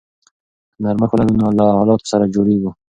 که نرمښت ولرو نو له حالاتو سره جوړیږو.